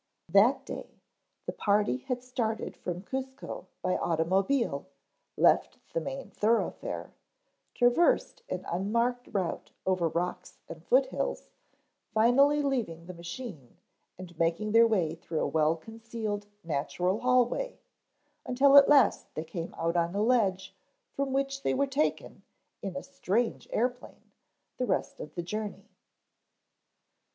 That day, the party had started from Cuzco by automobile, left the main thoroughfare, traversed an unmarked route over rocks and foot hills, finally leaving the machine and making their way through a well concealed natural hallway until at last they came out on a ledge from which they were taken in a strange airplane the rest of the journey.